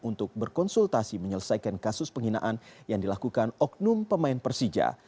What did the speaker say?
untuk berkonsultasi menyelesaikan kasus penghinaan yang dilakukan oknum pemain persija